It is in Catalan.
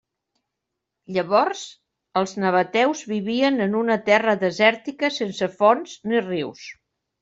Llavors, els nabateus vivien en una terra desèrtica sense fonts ni rius.